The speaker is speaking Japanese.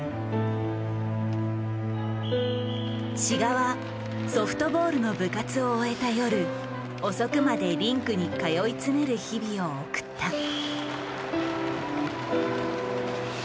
志賀はソフトボールの部活を終えた夜遅くまでリンクに通い詰める日々を送った。